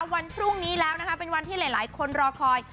วันพรุ่งนี้แล้วนะคะเป็นวันที่หลายคนรอคอย